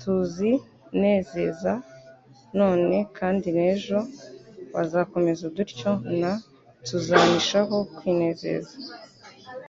«Tuzinezeza none kandi n'ejo Wzakomeza dutyo!'n» Tuzanishaho kwinezeza.